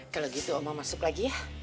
kalau gitu omo masuk lagi ya